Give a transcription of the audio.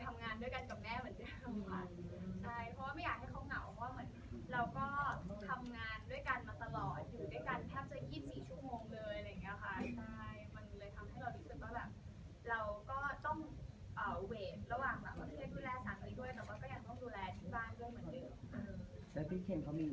ก็คือเหมือนตอนนี้ย้ายที่นอน